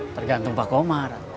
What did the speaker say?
tergantung pak omar